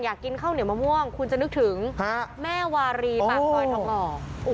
อยากกินข้าวเหนียวมะม่วงคุณจะนึกถึงแม่วาลีปะเรานทำออก